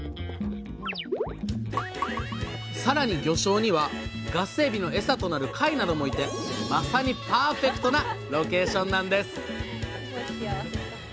さらに魚礁にはガスエビのエサとなる貝などもいてまさにパーフェクトなロケーションなんです！